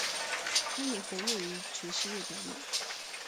他也活跃于爵士乐表演。